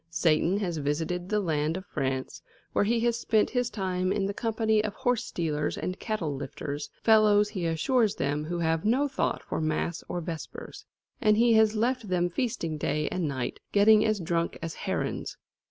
Satan has visited the land of France, where he has spent his time in the company of horse stealers and cattle lifters, fellows, he assures them, who have no thought for mass or vespers; and he has left them feasting day and night, getting as drunk as herons.